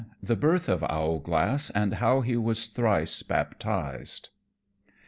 _The Birth of Owlglass, and how he was thrice baptized.